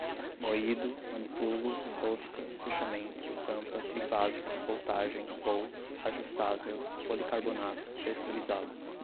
moído, manipulo, rosca, fechamento, tampa, trifásico, voltagem, volts, ajustável, policarbonato, texturizado